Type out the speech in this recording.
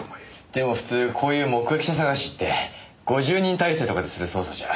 でも普通こういう目撃者探しって５０人体制とかでする捜査じゃ。